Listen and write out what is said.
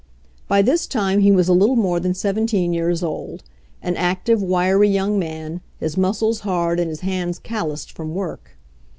By this time he was a little more than 1 7 years old ; an active, wiry young man, his muscles hard and his hands calloused from work.